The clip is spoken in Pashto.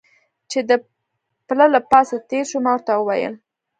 چې د پله له پاسه تېر شو، ما ورته وویل.